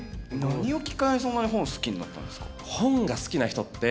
何をきっかけにそんなに本好きになったんですか？